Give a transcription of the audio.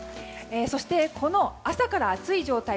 そして、朝から暑い状態